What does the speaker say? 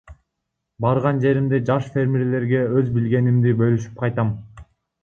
Барган жеримде жаш фермерлерге өз билгенимди бөлүшүп кайтам.